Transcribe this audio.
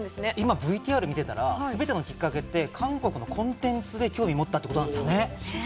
ＶＴＲを見ていたら、すべてのきっかけが韓国のコンテンツで興味を持ったってことなんですね。